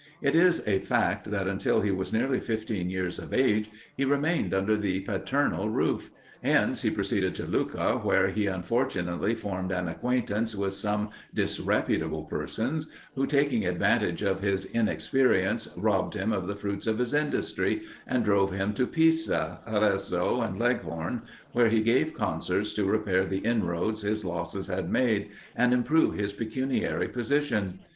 It is a fact, that until he was nearly fifteen years of age, he remained under the paternal roof. Hence he proceeded to Lucca, where he unfortunately formed an acquaintance with some disreputable persons, who, taking advantage of his inexperience, robbed him of the fruits of his industry, and drove him to Pisa, Arezzo, and Leghorn, where he gave concerts to repair the inroads his losses had made, and improve his pecuniary position.